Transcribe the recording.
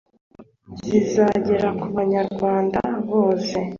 zizagera ku banyarwanda bose.